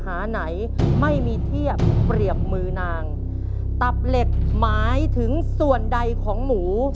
หาไหนไม่มีเทียบเปรียบมือนางตับเหล็กหมายถึงส่วนใดของหมู